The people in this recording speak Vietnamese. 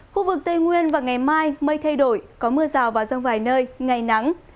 khu vực tây nguyên và ngày mai mây thay đổi có mưa rào và rông vài nơi ngày nắng